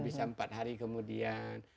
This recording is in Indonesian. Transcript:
bisa empat hari kemudian